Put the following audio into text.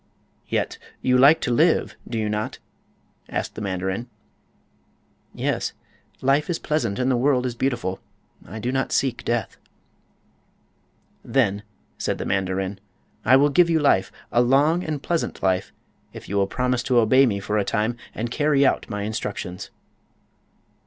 "Yet you like to live, do you not?" asked the mandarin. "Yet; life is pleasant and the world is beautiful. I do not seek death." "Then," said the mandarin, "I will give you life—a long and pleasant life—if you will promise to obey me for a time and carry out my instructions."